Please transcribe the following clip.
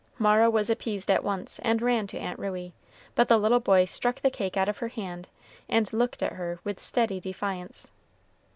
Mara was appeased at once, and ran to Aunt Ruey; but the boy struck the cake out of her hand, and looked at her with steady defiance.